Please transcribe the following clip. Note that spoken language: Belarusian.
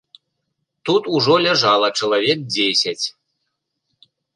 Тут ужо ляжала чалавек дзесяць.